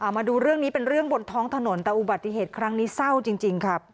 มาดูเรื่องนี้เป็นเรื่องบนท้องถนนแต่อุบัติเหตุครั้งนี้เศร้าจริงครับ